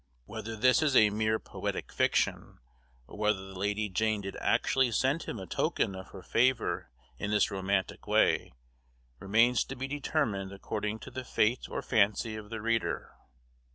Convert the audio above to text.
Whether this is a mere poetic fiction, or whether the Lady Jane did actually send him a token of her favor in this romantic way, remains to be determined according to the fate or fancy of the reader.